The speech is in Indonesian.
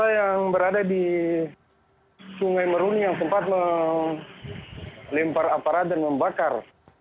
yang berada di sungai meruni yang sempat melempar aparat dan membakar